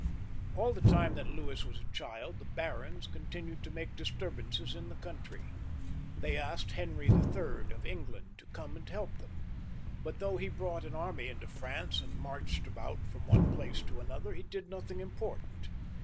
All the time that Louis was a child, the barons con tinued to make disturbances in the country. They asked Henry III. of England to come and help them, but though he brought an army into France and marched about from one place to another, he did nothing important.